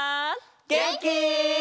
げんき？